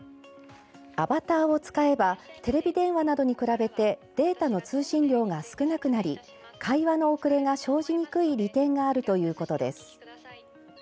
アバターを使えばテレビ電話などに比べてデータの通信量が少なくなり会話の遅れが生じにくい利点があるということです。